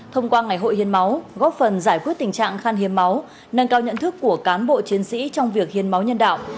thông qua ngày hội hiến máu góp phần giải quyết tình trạng khan hiếm máu nâng cao nhận thức của cán bộ chiến sĩ trong việc hiến máu nhân đạo